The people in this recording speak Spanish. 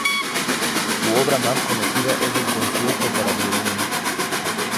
Su obra mas conocida es el Concierto para violín.